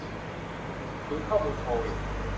ศูนย์ข้อมูลโควิด